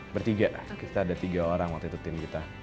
bertiga kita ada tiga orang waktu itu tim kita